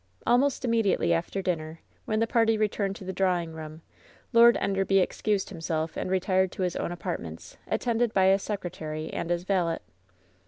Almost immediately after dinner, when the party re turned to the drawing room. Lord Enderby excused him self, and retired to his own apartments, attended by his secretary and his valet.